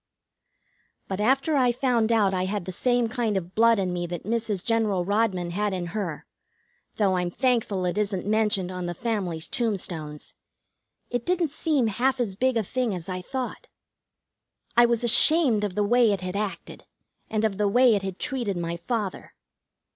But after I found out I had the same kind of blood in me that Mrs. General Rodman had in her, though I'm thankful it isn't mentioned on the family's tombstones, it didn't seem half as big a thing as I thought. I was ashamed of the way it had acted, and of the way it had treated my father.